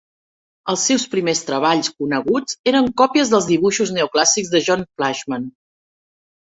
els seus primers treballs coneguts eren còpies dels dibuixos neoclàssics de John Flaxman.